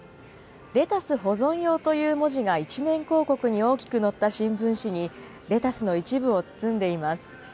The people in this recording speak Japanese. レタス保存用という文字が一面広告に大きく載った新聞紙にレタスの一部を包んでいます。